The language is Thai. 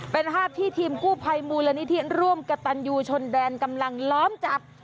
เป็นภาพที่ทีมกู้ภัยมูลนิธิร่วมกระตันยูชนแดนกำลังล้อมจับ